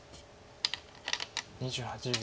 ２８秒。